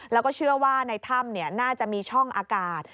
แล้วก็เชื่อว่าในถ้ำน่าจะมีช่องอากาศ